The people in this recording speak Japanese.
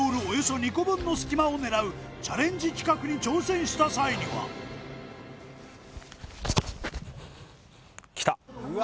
およそ２個分の隙間を狙うチャレンジ企画に挑戦した際にはきた！